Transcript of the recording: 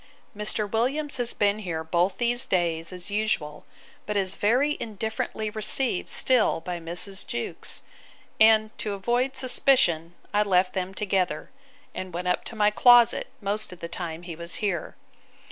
Mr. Williams has been here both these days, as usual; but is very indifferently received still by Mrs. Jewkes; and, to avoid suspicion, I left them together, and went up to my closet, most of the time he was here.